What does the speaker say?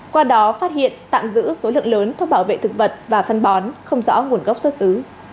qua đó phát hiện tạm giữ số lượng lớn thuốc bảo vệ thực vật và phân bón không rõ nguồn gốc xuất xứ